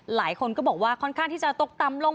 หลายคนก็บอกว่าค่อนข้างที่จะตกต่ำลง